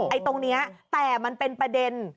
ตรงนี้แต่มันเป็นประเด็น